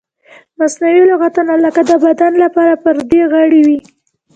مصنوعي لغتونه لکه د بدن لپاره پردی غړی وي.